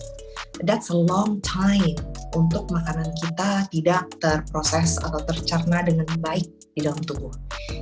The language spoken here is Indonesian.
itu waktu yang panjang untuk makanan kita tidak terproses atau tercerna dengan baik di dalam tubuh